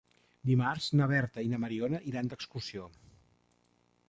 Dimarts na Berta i na Mariona iran d'excursió.